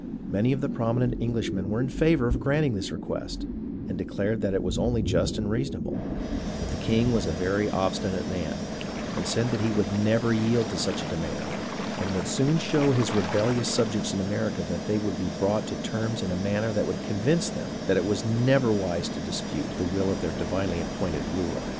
Many of the prominent Englishmen were in favour of granting this request, and declared that it was only just and reasonable ; but the king was a very obstinate man, and said that he would never yield to such a demand, and would soon show his rebellious subjects in America that they would be brought to terms in a manner that would convince them that it was never wise to dispute the will of their divinely appointed ruler.